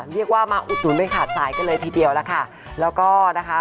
เรียกว่ามาอุดหนุนไม่ขาดสายกันเลยทีเดียวล่ะค่ะแล้วก็นะคะ